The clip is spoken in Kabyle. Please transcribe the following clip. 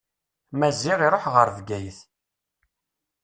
Maziɣ iruḥ ɣer Bgayet.